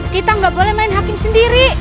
kita nggak boleh main hakim sendiri